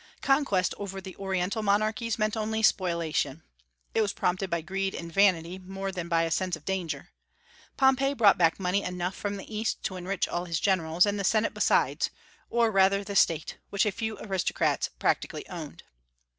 Conquest over the Oriental monarchies meant only spoliation. It was prompted by greed and vanity more than by a sense of danger. Pompey brought back money enough from the East to enrich all his generals, and the Senate besides, or rather the State, which a few aristocrats practically owned.